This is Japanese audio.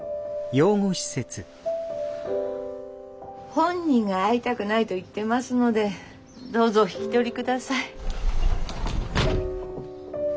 本人が会いたくないと言ってますのでどうぞお引き取り下さい。